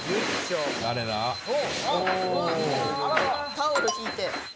タオルひいて。